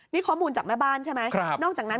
นี่ข้อมูลจากแม่บ้านใช่ไหมนอกจากนั้น